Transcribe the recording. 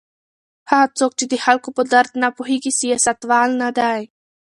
هغه څوک چې د خلکو په درد نه پوهیږي سیاستوال نه دی.